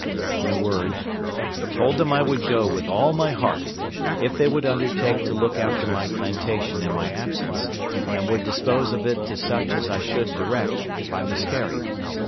In a word, I told them I would go with all my heart, if they would undertake to look after my plantation in my absence, and would dispose of it to such as I should direct, if I miscarried.